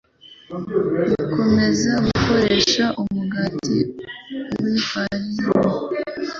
Gukomeza gukoresha umugati w’ifarini